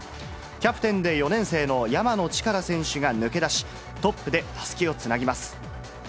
キャプテンで４年生の山野力選手が抜け出し、トップでたすきをつなぎます。